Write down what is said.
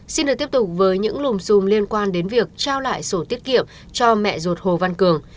xin được tiếp tục với những lùm xùm liên quan đến việc trao lại sổ tiết kiệm cho mẹ ruột hồ văn cường